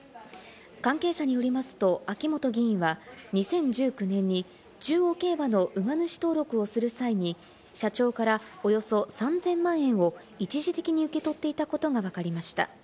関係者によりますと、秋本議員は２０１９年に中央競馬の馬主登録をする際に社長から、およそ３０００万円を一時的に受け取っていたことがわかりました。